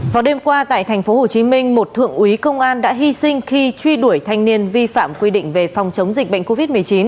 vào đêm qua tại tp hcm một thượng úy công an đã hy sinh khi truy đuổi thanh niên vi phạm quy định về phòng chống dịch bệnh covid một mươi chín